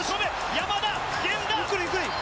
山田、源田！